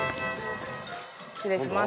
失礼します。